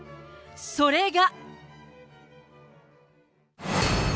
それが。